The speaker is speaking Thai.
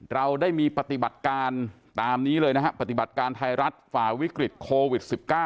เราได้มีปฏิบัติการตามนี้เลยนะฮะปฏิบัติการไทยรัฐฝ่าวิกฤตโควิด๑๙